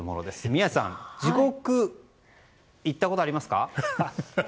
宮司さん地獄、行ったことありますか？